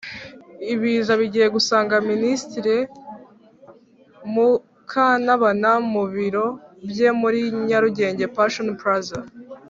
Ibiza bigiye gusanga Ministre Mukantabana mubiro bye muli Nyarugenge Pension Plazza.